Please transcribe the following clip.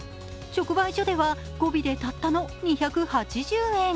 直売所では、５尾でたったの２８０円。